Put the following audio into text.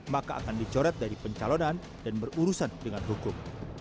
maka akan dicoret dari pencalonan dan berurusan dengan hukum